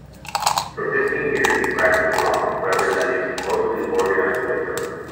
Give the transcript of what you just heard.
For fifteen years she practiced law, representing mostly organized labor.